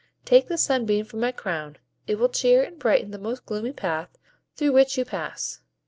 Take this sunbeam from my crown; it will cheer and brighten the most gloomy path through which you pass.